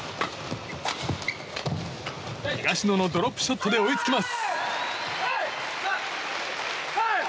東野のドロップショットで追いつきます。